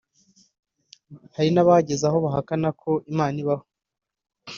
Hari n’abageze aho bahakana ko Imana ibaho